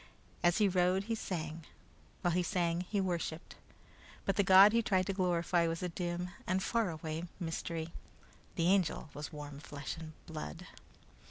As he rode he sang, while he sang he worshiped, but the god he tried to glorify was a dim and faraway mystery. The Angel was warm flesh and blood.